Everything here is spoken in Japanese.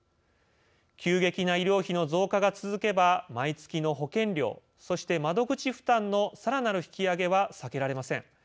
急激な医療費の増加が続けば毎月の保険料そして、窓口負担のさらなる引き上げは避けられません。